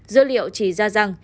dữ liệu chỉ ra rằng